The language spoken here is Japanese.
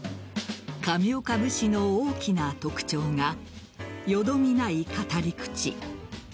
上岡節の大きな特徴がよどみない語り口。